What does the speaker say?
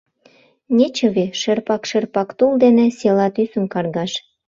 Нечыве шерпак-шерпак тул дене села тӱсым каргаш!